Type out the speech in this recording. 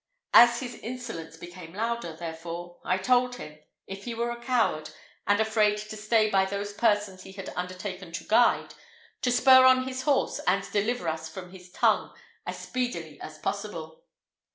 As his insolence became louder, therefore, I told him, if he were a coward, and afraid to stay by those persons he had undertaken to guide, to spur on his horse, and deliver us from his tongue as speedily as possible.